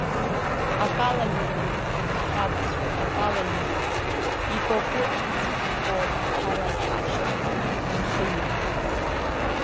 Акала иҟан, урҭ ҳабацәа, акала иҟан, икәакәы-цакәкәо, ҳара иҳашьҭан, иахьа иҟам.